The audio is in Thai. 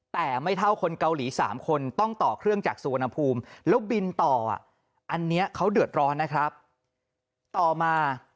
แต่ไม่เท่าคนเกาหลีสามคนต้องต่อเครื่องจากสุวรรณภูมิแล้วบินต่ออันนี้เขาเดือดร้อนนะครับต่อมา